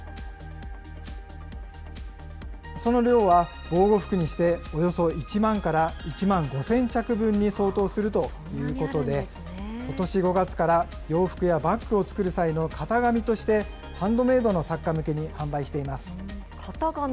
その量は、防護服にしておよそ１万から１万５０００着分に相当するということで、ことし５月から、洋服やバッグを作る際の型紙として、ハンドメードの作家向けに販型紙？